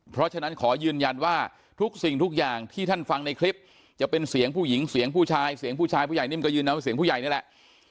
เพราะฉะนั้นขอยืนยันว่าทุกสิ่งทุกอย่างที่ท่านฟังในคลิปจะเป็นเสียงผู้หญิงเสียงผู้ชายเสียงผู้ชายผู้ใหญ่นิ่มก็ยืนยันว่าเสียงผู้ใหญ่นี่แหละ